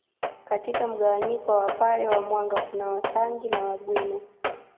Katika mgawanyiko wa wapare wa mwanga kuna Wasangi na Wagweno